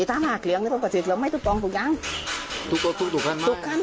การนั้นคือส่วนของพี่แต่คือตอนนี้ก็ลูกค้า